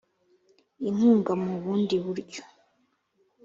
inkunga mu bundi buryo